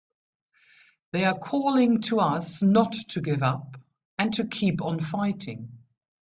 They're calling to us not to give up and to keep on fighting!